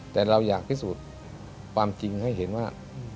แต่เราอยากที่สุดความจริงให้เห็นว่า